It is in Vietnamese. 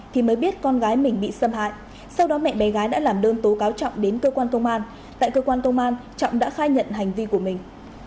thì mới biết con gái mình bị xâm hại sau đó mẹ bé gái đã làm đơn tố cáo trọng đến cơ quan công an tại cơ quan công an trọng đã khai nhận hành vi của mình